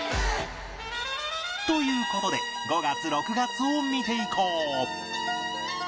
という事で５月６月を見ていこう